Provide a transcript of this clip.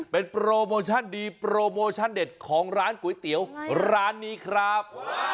เป็นโปรโมชั่นดีโปรโมชั่นเด็ดของร้านก๋วยเตี๋ยวร้านนี้ครับ